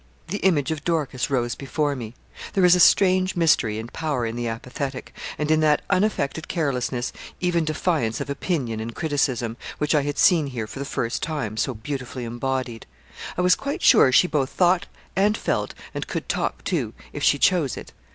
The image of Dorcas rose before me. There is a strange mystery and power in the apathetic, and in that unaffected carelessness, even defiance of opinion and criticism, which I had seen here for the first time, so beautifully embodied. I was quite sure she both thought and felt, and could talk, too, if she chose it.